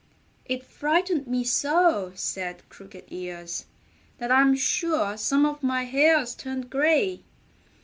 "It frightened me so," said Crooked Ears, "that I'm sure some of my hairs turned gray.